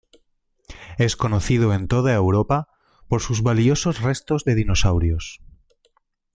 Es conocido en toda Europa por sus valiosos restos de dinosaurios.